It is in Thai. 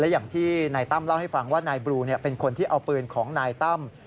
อย่างที่นายตั้มเล่าให้ฟังว่านายบลูเป็นคนที่เอาปืนของนายตั้ม